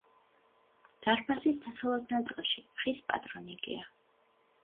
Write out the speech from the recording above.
დარბაზის დასავლეთ ნაწილში ხის პატრონიკეა.